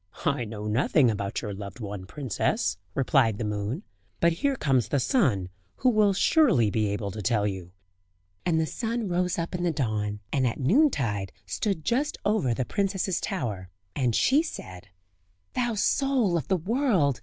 "I know nothing about your loved one, princess," replied the moon; "but here comes the sun, who will surely be able to tell you." And the sun rose up in the dawn, and at noontide stood just over the princess's tower, and she said: "Thou soul of the world!